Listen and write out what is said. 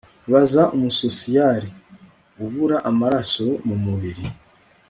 baza umusosiyari. ubura amaraso mu mubiri